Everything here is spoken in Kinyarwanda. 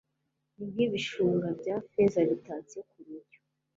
ni nk'ibishunga bya feza bitatse ku rujyo